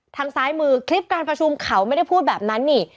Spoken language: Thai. ทางซ้ายมือคลิปการประชุมเขาไม่ได้พูดแบบนั้นนี่